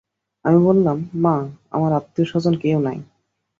আমি বললাম, মা, আমার আত্মীয়স্বজন কেউ নাই।